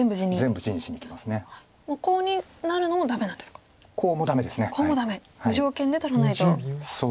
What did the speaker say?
無条件で取らないと。